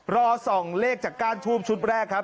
รอส่องเลขจากก้านทูบชุดแรกครับ